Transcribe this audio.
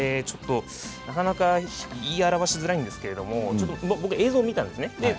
なかなか言い表しづらいんですが映像を見たんですね。